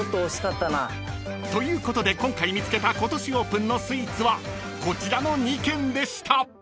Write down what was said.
［ということで今回見つけた今年オープンのスイーツはこちらの２軒でした］